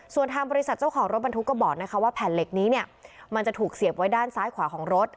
ส่วนทางบริษัทเจ้าของรถบรรทุกก็บอกนะคะว่าแผ่นเหล็กนี้เนี่ยมันจะถูกเสียบไว้ด้านซ้ายขวาของรถ